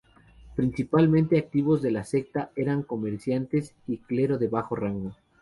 Participantes activos de la secta eran comerciantes y clero de bajo rango.